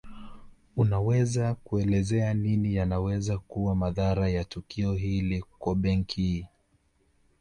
Unaweza kuelezea nini yanaweza kuwa madhara ya tukio hili kwa benki hii